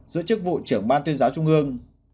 giữ chức vụ trưởng ban tuyên giáo trung ương